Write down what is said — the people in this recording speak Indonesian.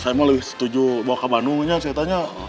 saya mau setuju bawa ke bandung aja saya tanya